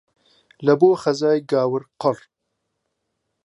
له بۆ خهزای گاور قڕ